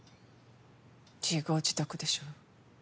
自業自得でしょ。